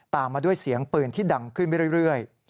มาด้วยเสียงปืนที่ดังขึ้นไปเรื่อย